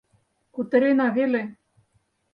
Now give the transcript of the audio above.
Кутырена веле.